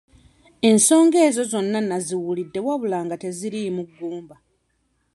Ensonga ezo zonna nnaziwulidde wabula nga teziriimu ggumba.